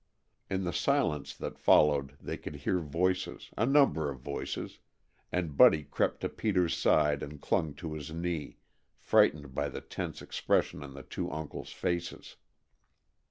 In the silence that followed they could hear voices a number of voices and Buddy crept to Peter's side and clung to his knee, frightened by the tense expression on the two uncles' faces.